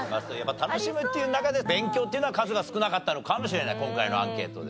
楽しむっていう中で勉強っていうのは数が少なかったのかもしれない今回のアンケートではね。